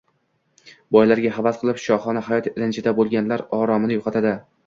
Boylarga havas qilib, shohona hayot ilinjida bo‘lganlar oromini yo‘qotadi.